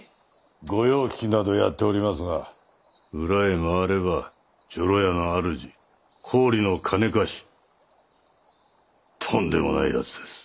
御用聞きなどやっておりますが裏へ回れば女郎屋の主高利の金貸しとんでもない奴です。